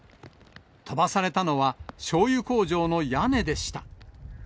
飛ばされたのは、しょうゆ工場の屋根でした。